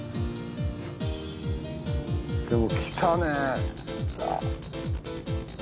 でも来たね。